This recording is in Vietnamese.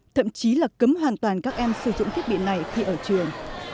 thậm chí là cấm hoàn toàn các em sử dụng thiết bị này khi ở trường